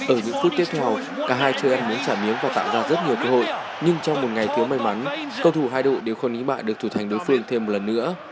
ở những phút tiếp theo cả hai chơi ăn miếng trả miếng và tạo ra rất nhiều cơ hội nhưng trong một ngày thiếu may mắn cầu thủ hai đội đều không nghĩ bại được thủ thành đối phương thêm một lần nữa